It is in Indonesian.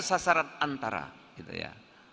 sasaran antara gitu ya